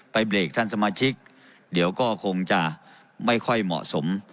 เบรกท่านสมาชิกเดี๋ยวก็คงจะไม่ค่อยเหมาะสม